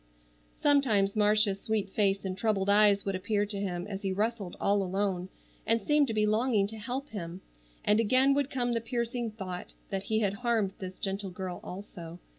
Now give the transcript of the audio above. Sometimes Marcia's sweet face and troubled eyes would appear to him as he wrestled all alone, and seemed to be longing to help him, and again would come the piercing thought that he had harmed this gentle girl also.